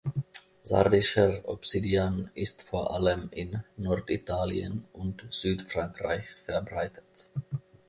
Sardischer Obsidian ist vor allem in Norditalien und Südfrankreich verbreitet.